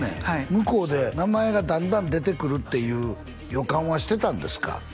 向こうで名前がだんだん出てくるっていう予感はしてたんですか？